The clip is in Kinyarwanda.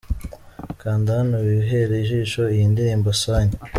Kanda hano wihere ijisho iyi ndirimbo ‘Sanyu’.